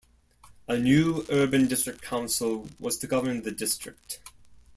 A new urban district council was to govern the district.